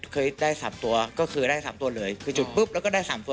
เคยได้๓ตัวก็คือได้๓ตัวเลยคือจุดปุ๊บแล้วก็ได้๓ตัว